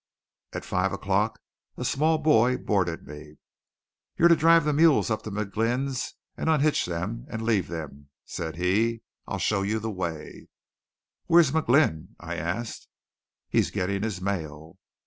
At five o'clock a small boy boarded me. "You're to drive the mules up to McGlynn's and unhitch them and leave them," said he. "I'm to show you the way." "Where's McGlynn?" I asked. "He's getting his mail."